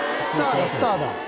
スターだスターだ！